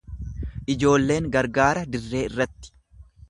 Ijoolleen gargaara dirree irratti.